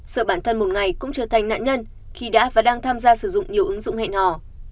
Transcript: sợ bản thân một ngày cũng trở thành nạn nhân khi đã và đang tham gia sử dụng nhiều ứng dụng hẹn hò